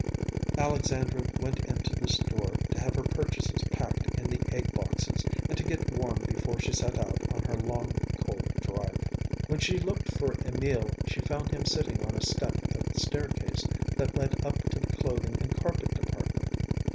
Alexandra went into the store to have her purchases packed in the egg boxes, and to get warm before she set out on her long cold drive. When she looked for Emil, she found him sitting on a step of the staircase that led up to the clothing and carpet department.